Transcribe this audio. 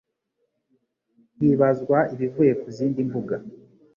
ntibazwa ibivuye ku zindi mbuga.